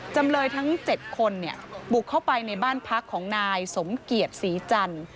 จำเลยทั้ง๗คนบุกเข้าไปในบ้านพักของนายสมเกียรติศรีจันทร์